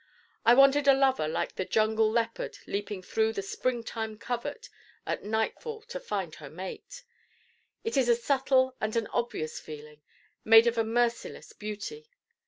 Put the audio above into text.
I wanted a Lover like the jungle leopard leaping through the Springtime covert at nightfall to find her mate. It is a subtle and an obvious feeling, made of a merciless beauty.